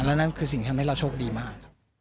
และนั่นคือสิ่งที่ทำให้เราโชคดีมากครับ